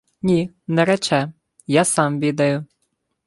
— Ні, не рече. Я сам відаю.